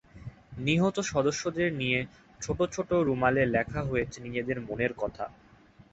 নিহত সদস্যদের নিয়ে ছোট ছোট রুমালে লেখা হয়েছে নিজেদের মনের কথা।